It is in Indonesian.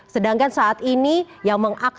sedangkan saat ini yang mengakses